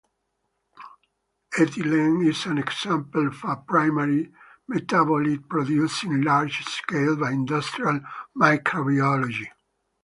Ethylene is an example of a primary metabolite produced in large-scale by industrial microbiology.